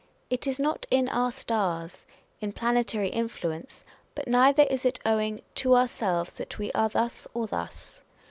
" It is not in our stars," in planetary influence, but neither is it owing " to ourselves, that we are thus or thus."